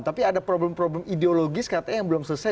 tapi ada problem problem ideologis katanya yang belum selesai